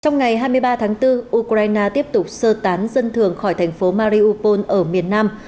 trong ngày hai mươi ba tháng bốn ukraine tiếp tục sơ tán dân thường khỏi thành phố mariupol ở miền nam